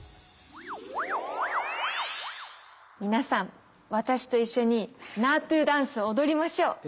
皆さん私と一緒にナートゥダンスを踊りましょう！